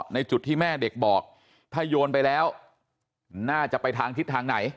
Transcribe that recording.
ในจุดที่แม่เด็กบอกถ้าโยนไปแล้วน่าจะไปทางทิศทางไหน